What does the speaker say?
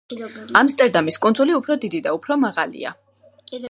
ამსტერდამის კუნძული უფრო დიდი და უფრო მაღალია.